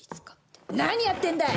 何やってんだい